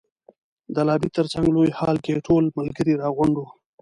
د لابي تر څنګ لوی هال کې ټول ملګري را غونډ وو.